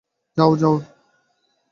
যাও, যাও।